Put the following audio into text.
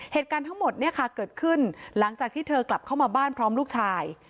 เหตุการณ์ทั้งหมดเนี่ยค่ะเกิดขึ้นหลังจากที่เธอกลับเข้ามาบ้านพร้อมลูกชาย